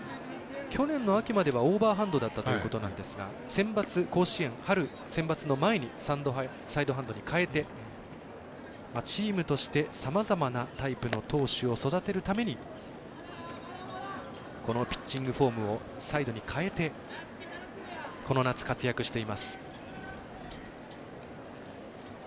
去年の秋まではオーバーハンドだったということなんですが春センバツの前にサイドハンドに変えてチームとしてさまざまなタイプの投手を育てるためにこのピッチングフォームをサイドに変えてこの夏、活躍しています。